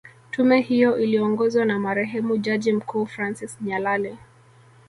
Tume hiyo iliongozwa na marehemu jaji mkuu Francis Nyalali